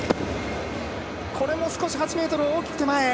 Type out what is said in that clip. これも少し８ｍの大きく手前。